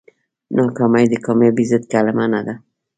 ناکامي د کامیابۍ ضد کلمه نه ده.